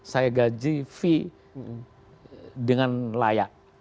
saya gaji fee dengan layak